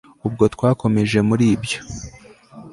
ubwo twakomeje muribyo